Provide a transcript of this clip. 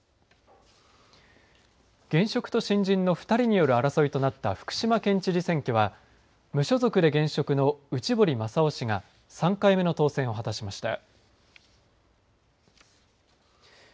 現職と新人の２人による争いとなった福島県知事選挙は無所属で現職の内堀雅雄氏が３回目の当選を果たしました。